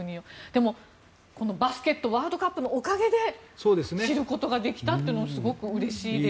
でも、バスケットワールドカップのおかげで知ることができたのですごくうれしいです。